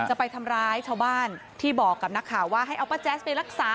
จะไปทำร้ายชาวบ้านที่บอกกับนักข่าวว่าให้เอาป้าแจ๊สไปรักษา